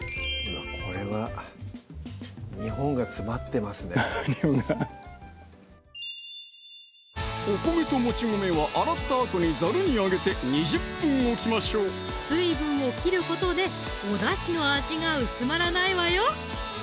これは日本が詰まってますねハハッ日本がお米ともち米は洗ったあとにザルに上げて２０分置きましょう水分を切ることでおだしの味が薄まらないわよ